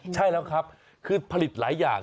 ใช่แล้วครับคือผลิตหลายอย่าง